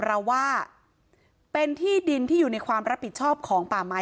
เราว่าเป็นที่ดินที่อยู่ในความรับผิดชอบของป่าไม้